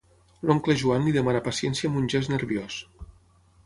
L'oncle Joan li demana paciència amb un gest nerviós.